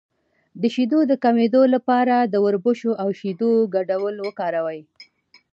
د شیدو د کمیدو لپاره د وربشو او شیدو ګډول وکاروئ